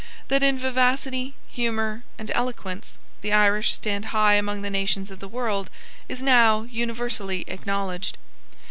That in vivacity, humour, and eloquence, the Irish stand high among the nations of the world is now universally acknowledged.